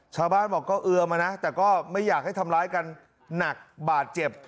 ชาวบ้านบอกเอิ่มนะแต่ไม่อยากทำร้ายกันหนักบาดเจ็บ